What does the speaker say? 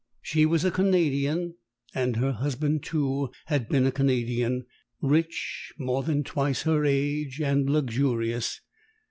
She was a Canadian, and her husband, too, had been a Canadian rich, more than twice her age, and luxurious.